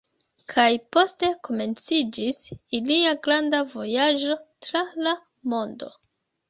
Kaj poste komenciĝis ilia granda vojaĝo tra la mondo.